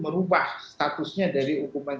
merubah statusnya dari hukuman